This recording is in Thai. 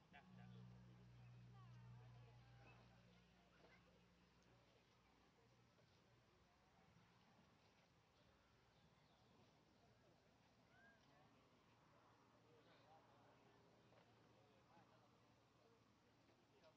สวัสดีครับ